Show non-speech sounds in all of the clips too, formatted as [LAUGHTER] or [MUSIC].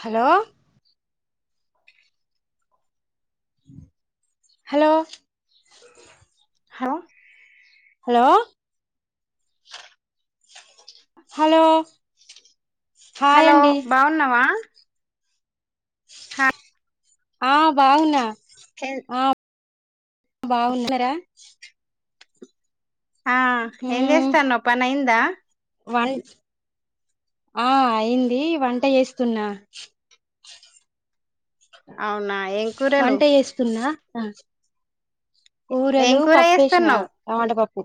Hello hello hello hello hello hi hello అండి బాగున్నవా హా ఆ బాగున్న చెల్ బాగున్నరా ఆ ఏం జెస్తన్నవ్ పని అయిందా అ అయ్యింది వంట చేస్తున్నా అవునా ఏం కూరలు ఆ ఏం కూరలు కూర పప్పు ఎష్నా చేస్తున్నావ్ టమాటపప్పు.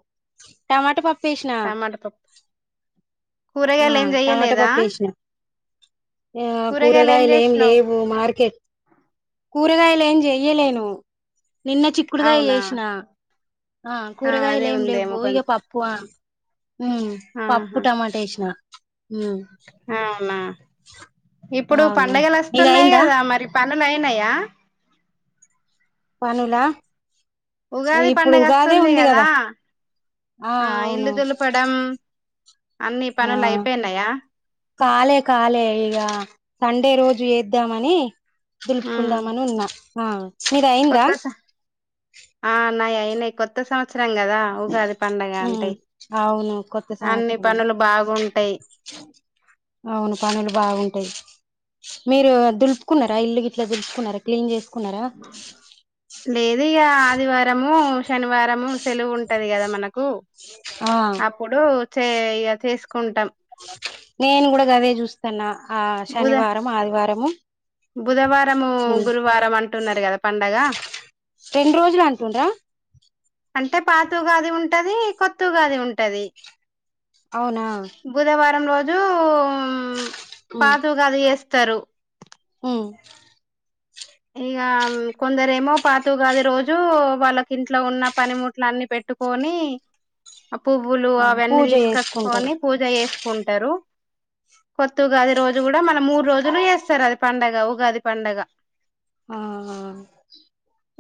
టమాటపప్పు టమాటపప్పు ఆ కూరగాయలు ఏం టమాటా చెయ్యలేదా? పప్పు వేసిన ఆ కూరగాయలు ఏం లేవు మార్కెట్ కూరగాయలు ఏం జెయ్యలేను. నిన్న చిక్కుడుగాయి అవునా చెష్నా ఆ కూరగాయలు అదే ఎం ఉందేమో లేవు ఇగ కొంచెం పప్పు ఆ ఉ పప్పుటమాట ఎషినా ఆ హ్మ్ ఆ అవునా ఇప్పుడు అవును పండగలు వస్తున్నాయి నీదయిందా కథ మరి పనులైనాయ? పనుల ఉగాది పండగ వస్తుంది కదా, ఆ ఇల్లు ధులుపడం. ఆ కాలే కాలే ఈగా సండే రోజు ఏద్దామని పిల్‌చుకుంధమనా ఉన్నా ఆ మీది అయిందా కొత్తస ఆన్నాయిఐ ఇ కొత్త సంవత్సరంగా కదా ఊగాది ఉమ్మ్ అవును కొత్త అన్ని సంవత్సరం పనులు బాగుంటాయి అవును పనులు బాగుంటై మీరు దులుపుకున్నారా ఇల్లుగిట్లా, దులుపుకున్నారా క్లీన్ చేసుకున్నారా. లేధుఇగా ఆదివారము, శనివారము సెలవు ఉంటది గాదా మనకు ఆ అప్పుడు చే ఇగా చేసుకుంటాం. నేను గుడా గదే చూస్తాన్న ఆ బుధ శనివారం, ఆదివారము బుధవారము ఉమ్ గురువారం అంటున్నారు గదా పండగ రెండు రోజులు అంటుండ్రా అంటే పాతుగాది ఉంటది కొత్తుగాది ఉంటది అవునా బుధవారం రో జూ ఊ ఉమ్ పాతుగాది ఎస్ తరు ఉమ్ ఇగా కొందరేమో పాతుగది రోజు వాళ్ళకి ఇంట్లో ఉన్న పనిముట్లు అన్ని పెట్టుకొని పువ్వులు ఆ అవన్నీ పూజ చేసుకుంటారు తీసుకచ్చుకొని పూజ చేసు కుంటారు కొత్త ఉగాది రోజు కూడా మన మూడు రోజులు చేస్తారు అది పండగ ఉగాది పండగ ఆ అ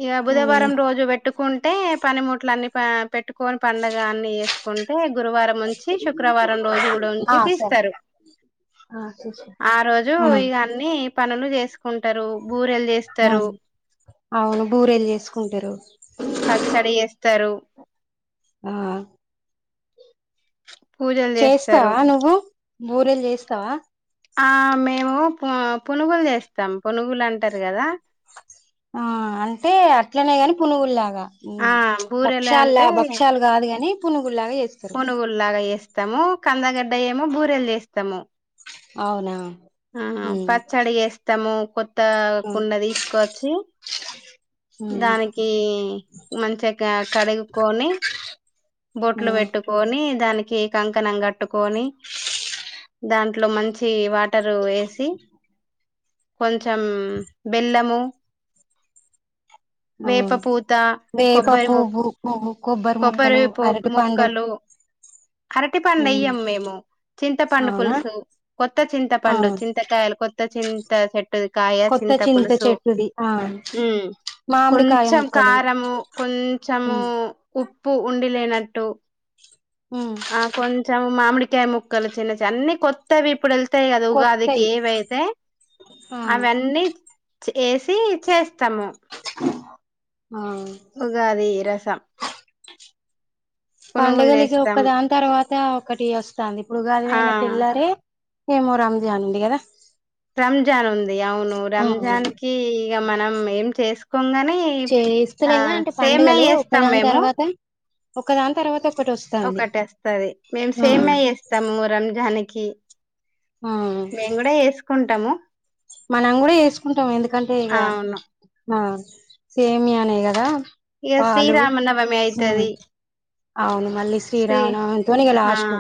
ఇక మ్ బుధవారం రోజు పెట్టుకుంటే పనిముట్ల అన్నీ ఆ పెట్టు కోని పండుగ అన్నీే ఎస్ కొంటే గురువారం నుంచి శుక్రవారం రోజు కూడా ఉంచి ఆ సరే తీస్తారు ఆ చేసా ఆ రోజు ఆ ఇగా అన్నీ పనులు చేసుకుంటారు బూరేల్ ఆ చేస్తారు అవును బూరేలు చేసుకుంటారు పచ్చడి ఏస్తారు ఆ పూజలు చేస్తారు చేస్తావా నువ్వు బూరేలూ చేస్తావా ఆ మేము ప పునుగులు చేస్తాం పునుగులు అంటారు కదా ఆ అంటే అట్లనే గాని పునుగుల్లాగా ఆ భక్షాల భక్షాలు కాదు కాని పునుగుల్లాగా చేస్తారు పనుగుల్లాగా ఎస్త స్తాము కందగడ్డ ఏేమో బూరెలు చేస్తాము అవునా ఆహా ఉమ్, పచ్చడి చేేస్తాము త్త ఆ, కుండ తీసుకవచ్చి ఉమ్, దానికి మంచిగాగా కడుగుకొని బొట్లు ఉమ్, పెట్టుకొని దాని కే కంకణం కట్టుకని దాంట్లో మంచి వాటరు వేసి కొం కొంచెం బెల్లము ఆ వేప పూత వేప పువ్వు, కొబ్బరి ముక్కలు పోప్ అరటి పండు మొక్కలు అరటి పండు ఎయ్యాము మేము చింతపండు అవునా పులుసు కొత్త ఆ చింతపండు చింతకాయలు కొత్త చింత చెట్టు కాయ కొత్త చింత పులుసు చెట్టుది ఆ ఊ మామిడికాయ కొంచెం ముక్కలు కారము కొంచెము ఉమ్, ఉ ప్పు ఉండి లేనట్టు ఉమ్. ఆ కొంచం మామిడి మామిడికాయ ముక్కలు చిన్న చిన్న అన్ని కొత్త వి ఇప్పుడేల్ వస్తాయి కదా ఉగాదికి కొత్తయి ఏవయితే ఆ అవన్నీ ఎసి చేస్తాము ఉగాది రసం పునుగులు పండుగలకి చేస్తాం ఒక్క దాని తర్వాత త ఒకటి వస్తు తాంది ఇప్పుడు ఉగాది ఆ పోయిన తెల్లారే ఏమో రంజాన్ ఉంది కదా రంజాన్ ఉంది అవును ఆ రంజాన్ కి ఇగా మనం ఏం చేస్ చే ఇస్తలేంగా అంటే సేమ్యా పండుగలు చేస్తాం ఒక్కదాని మేము తర్వాత ఒకదాని తర్వాత ఒకటి వస్తాంది ఒకటి అస్తది మేము ఆ సేమియా చేస్తాము రంజాని కి ఆ మేము కూడా చేసుకుం టాము మనం కూడా ఎసుకుంటాం ఎందుకంటే ఇగ అవును ఆ సేమియానే కదా ఇగ పాలు శ్రీరామ నవమి అయితది అవును మళ్ళీ శ్రీ శ్రీరామనవమితోని ఇగ ఆ లాస్ట్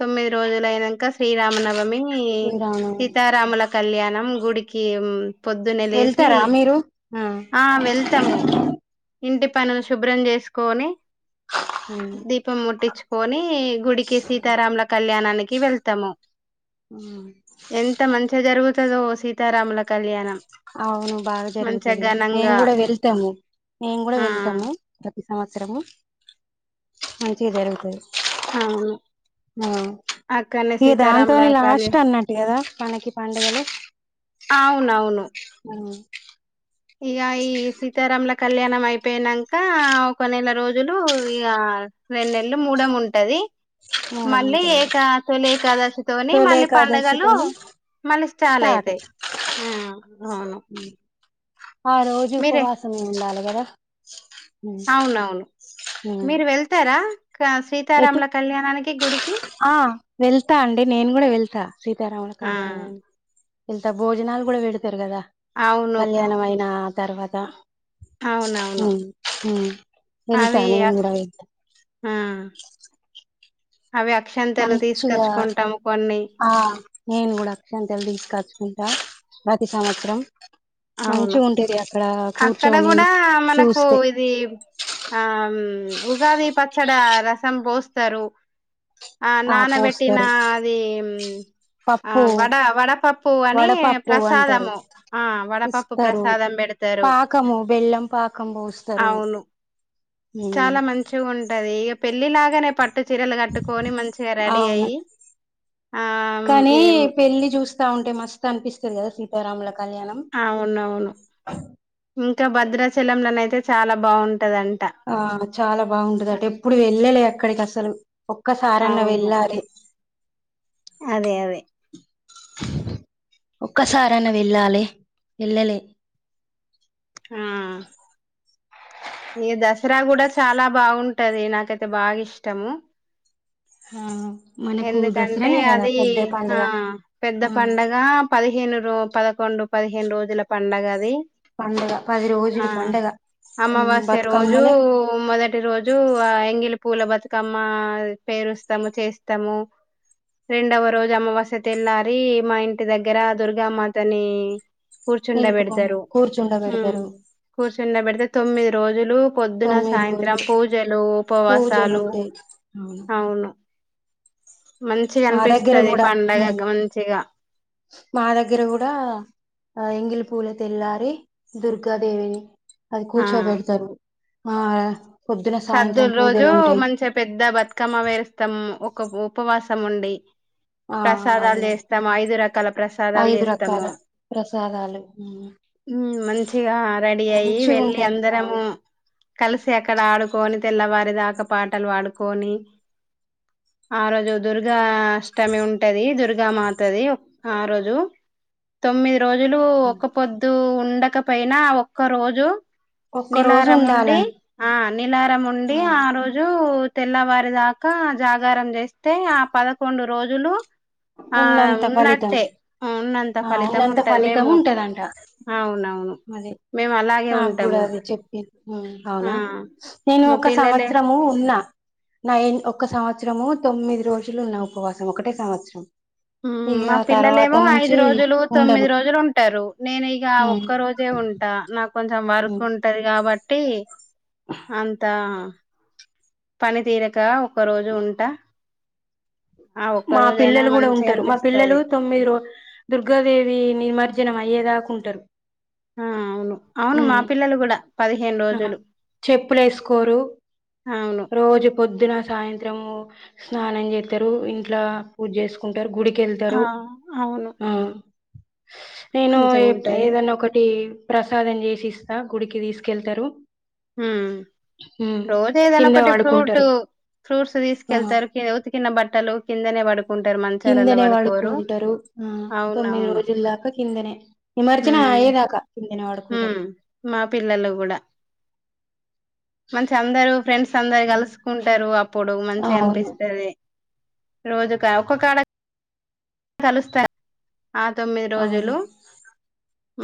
తొమ్మిది రోజులుయినంక శ్రీరామనవమి శ్రీరామనవమి సీతారాముల కళ్యాణం గుడికి పొద్దున్నే లేసి వెళ్తారా మీరు ఆ ఇంటి పనులు శుభ్రం చేసుకొని దీపం ముట్టించుకొని గుడికి సీతారాముల కళ్యాణానికి వెళ్తాము ఎంత మంచిగా జరుగు తాదో సీతారాముల కళ్యాణం అవును బాగా మంచిగా జరుగుతది మేము ఘనంగా కూడా వెళ్తాము మేం కూడా ఆ వెళ్తాము సంవత్సరము మంచిగా జరుగుతది అవును ఆ అక్కనే ఇక దాంతో సీతారాముల లాస్ట్ కళ్యాణ్ అన్నట్టు కదా మనకి పండగలు అవునవును మ్మ్ ఇగ ఈ సీతారాముల కళ్యా నం అయిపోయినంక ఒక నెల రోజులు ఇగా రెండు నెలలు మూడం ఉంటాది మూడం మళ్ళీ ఉంటాయి ఇక తొలి ఏకాదశి తోనే తొలి మళ్ళీ పండగలు ఏకాదశితోని మళ్ళీ స్టార్ట్ అయితాయి మ్మ్ హ [UNINTELLIGIBLE] ఆ రోజు మీరే ఉపవాసమే ఉండాలి గద అవునవును మీరు వెళ్తారా కాశీ ఎటు ఆ వెళ్తా అండి నేను కూడా వెళ్తా సీతారాముల ఆ కళ్యాణానికి ఇంకా భోజనాలు కూడా పెడతారు కదా అవును కళ్యాణం అయినా తర్వాత అవునవును మ్మ్ మ్మ్ వెళ్తా నేను కూడా వెళ్తా మ్మ్ మంచిగా కొన్ని ఆ నేను కూడా అక్షింతలు తీసుకచ్చుకుంటా ప్రతి సంవత్సరం అవును మంచిగా ఉంటది అక్కడ అక్కడ కూర్చొని కూడా మనకు చూస్తే ఇది ఆ ఉగాది పచ్చడి డా రసం పోస్తారు ఆ నానబెట్టిన అది ఆ పప్పు వడ వడపప్పు అని వడపప్పు అంటారు ప్రసాదము ఆ వడ ఇస్తారు పాకము బెల్లం పాకం పోస్తరు అవును మ్మ్ దే ఇగ పెళ్ళి లాగానే పట్ పట్టు చీరలు కట్టుకొని మంచిగా రెడీ అవును అయ్య ఆ కానీ ఇది స్తది కదా సీతారాముల కళ్యాణం అవునవును మ్మ్ ఇంకా భద్రాచలంలోనయితే చాలా బాగుం ఆ చాలా బాగుంటది అట ఎప్పుడు వెళ్ళలే అక్కడికి అసలు ఒక్కసారన్న అవును వెళ్ళాలి అదే అదే ఒక్కసారన్న వెళ్ళాలి వెళ్ళలే ఆ ఈ దసరా కూడా చాలా బాగుంటాది నాకైతే బాగా ఇష్టము హా ఎందుకంటే అది ఆ పెద్ద పండగ పదిహేను రో పదిహేను రోజుల పండుగ అది పండుగ పది ఆ రోజులు పండగ అమావాస్య రోజు బతుకమ్మలే మొదటి రోజు ఎంగిలి పూల బతుకమ్మ పేరుస్తాము చేస్త ము రెండవ రోజు అమావాస్య తెల్లారి మా ఇంటి దగ్గర దుర్గామాతని నిలుపుకొని కూర్చుండబడతారు ఉహు కూర్చుండబెడతారు కూర్చుండ పెడితే తొమ్మిది రోజులు పొద్దున తొమ్మిది సాయంత్రం రోజులు పూజలు పూజలు ఉపవాసాలు ఉంటాయి అవును మంచిగా మా దగ్గర అనిపిస్తది కూడా పండగ మంచిగా మా దగ్గర కూడా ఎంగిలి పూల తెల్లారి దుర్గాదేవిని అది ఆ కూర్చో పెడతారు ఆ పొద్దున సద్దుల సాయంత్రం రోజు పూజలు ఉంటాయి మంచిగా పెద్ద బతుకమ్మ పేరుస్తాము ఒక ఉపవాసం ఉండి ఆ ప్రసాదాలు అవును చేస్తాము ఐదు రకాల ప్రసాదాలు ఐదు రకాల చేస్తాము ప్రసాదాలు మంచిగా రెడీ అయి మంచిగా వెళ్ళి ఉంటది అందరము అవును కలిసి అక్కడ ఆడు కొని తెల్లవారి దాకా పాటలు పాడుకొని ఆ రోజు దుర్గా అష్టమి ఉంటది దుర్గా మాతది ఆ రోజు తొమ్మిది రోజులు ఒక్క పొద్దు ఉండకపోయినా ఆ ఒక్క రోజు ఒక్కరోజు ఉండాలని నీలారం ఉండి ఆ రోజు తెల్లవారి దాకా జాగారం చేస్తే ఆ పదకొండు రోజులు ఆ ఉన్నంత ఫలితం ఉన్నట్టే ఉన్నంత ఆ ఫలితం ఉన్నంత ఉంటది ఫలితం మేము ఉంటదంట అవునవును అది మేము అలాగే నాకు కూడా ఉంటాము అది చెప్పి ఆ అవునా నేను మా ఒక పిల్లలే సంవత్సరము ఉన్నా నైన్ ఒక సంవత్సరం సంవత్సరము తొమ్మిది రోజులు ఉన్న ఉపవాసం ఒకటే సంవత్సరం ఇక మా తర్వాత పిల్లలేమో ఐదు నుంచి రోజులు ఉండను తొమ్మిది రోజులు ఉంటారు నేను ఇగ ఒక్క రోజే ఉంటా నాకు కొంచెం వర్క్ ఉంటది కాబట్టి ట్టి అంతా పనితీరక ఒకరోజు ఉంట మా పిల్లలు కూడా ఉంటారు మా పిల్లలు తొమ్మిది రో దుర్గాదేవిని మరి జనం అయ్యేదాకుంటరు ఆ అవును అవును మా పిల్లలు కూడా ఆ చెప్పులు వేసుకోరు అవును రోజు పొద్దున సాయంత్రము స్నానం చేతరు ఇంట్లో పూజ చేసుకుం టరు ఆ గుడికెళ్తరు అవును ఆ నేను ఏ మంచిగుంటది ఏదన్న ఒకటి ప్రసాదం చేసిస్తా గుడికి తీసు కెళ్తరు ఊ రోజు ఏదైనా కింద ఒకటి ఫ్రూట్ పడుకుంటారు ఫ్రూట్స్ ఆ తీసుకెళ్తారు కె ఉతికిన్న బట్టలు కిందనే వడు కిందనే వడుకుంటరు తొమ్మిది అవునవును రోజుల దాకా కిందనే నిమజ్జనం హ్మ్ ఆయేదాకా కిందనే వడుకుంటరు హ్మ్ మా పిల్లలు గూడా మంచి అందరూ ఫ్రెండ్స్ అందరు కలుసుకుంటరు అప్ పొడుగు అవును మంచిగనిపిస్తది రోజుకా ఒ కాడ కలుస్తా ఆ తొమ్మిది అవును రోజులు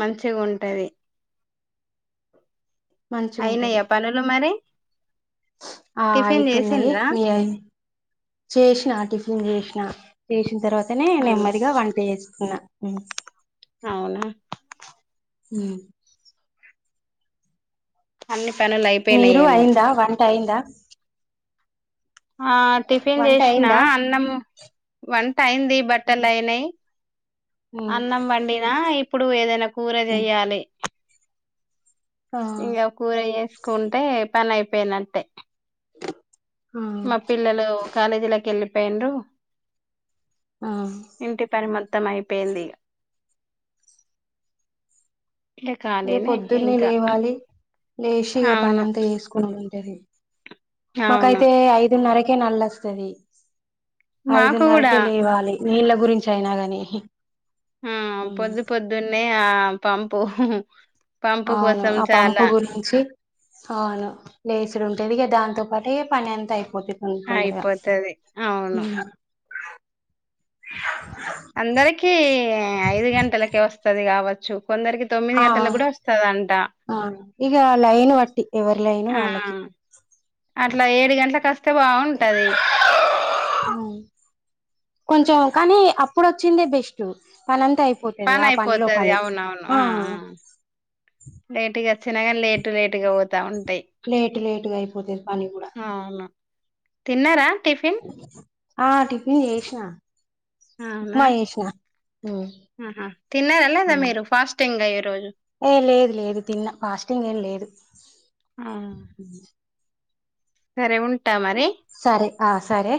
మంచిగుంటది మంచిగుంటది అయినయ్య పనులు మరి ఆ టిఫిన్ అయితున్నాయి చేసిండ్రా మీ అయ్ చేసిన టిఫిన్ చేసిన చేసిన తర్వ తనే హ్మ్. నెమ్మదిగా వంట చేసుకున్నా ఉ అవునా ఊ అన్ని పనులు మీరు అయిపోయినాయేమో అయిందా వంట అయిందా ఆ ఆ టిఫిన్ చేసినా అన్నం వంట అయింది బట్టలు అయినయి ఉమ్ అన్నం వండినా ఇ ప్పుడు ఏదైనా కూర చెయ్యాలి ఆ ఇయ్య కూర ఏస్ కొంటే పని అయిపోయినట్టే ఆ మా పిల్లలు కాలేజ్ లొకి ఎళ్ళి పేయిన్రు ఆ ఇంటి పని మరి మొత్తం అయిపోయింది ఇగ ఎ పొద్దున్నే లేవాలి లేషి ఇగ పని అవును అంతా చేసుకోవాలి పది [INAUDIBLE] మాకా అవును అయితే ఐదున్నరకే నల్ల వస్తాది. మాకు కూడా ఐదున్నరకే లేవాలి నీళ్ళ గురించి అయినా గాని ఆ పొద్దు పొద్దున్నే ఇగ ఆ పంపు ఉహు అవును ఆ పంపు గురించి అవును లేసి ఇదీ ఉంటుంది గదా దాంతో పాటు పని అంత అయి ఆయిపోతది అవును అందరికి ఐదు గంటలకే వస్తది కావచ్చు కొందరికి తొమ్మిది ఆ గంటలకు కూడా వస్తాది అంట. ఆ ఇగ లైన్ బట్టి ఎవరి లైన్ వాళ్ళకి అట్లా ఏడు గంటలకు వస్త్ వస్తే బాగుంటది కొంచెం కానీ అప్పుడు వచ్చిందే బెస్ట్ పనంతా అయి పనయిపోతది అవును అవును ఆ ఆ లేట్ గా చిన్నగా లేటు లేటుగా పోతా ఉండు లేట్ లేట్ గా అయి పోతే [INAUDIBLE] అవును తిన్నారా టిఫిన్ ఆ టిఫిన్ చేసిన అవునా ఉప్మా చేసిన తిన్నారా లేదా మీరు ఫాస్ట్ తింగా [UNINTELLIGIBLE] ఈ రోజు టింగా లేదు ఆ సరే ఉం సరే ఆ సరే